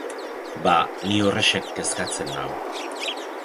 Ba, ni horrexek kezkatzen nau.